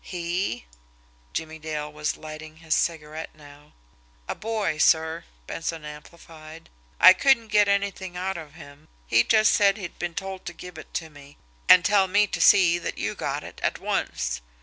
"He?" Jimmie Dale was lighting his cigarette now. "A boy, sir," Benson amplified. "I couldn't get anything out of him. He just said he'd been told to give it to me, and tell me to see that you got it at once.